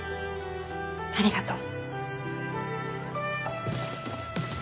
ありがとう。